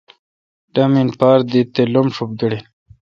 ڈامین پار داتے°لب ݭب گڑیل۔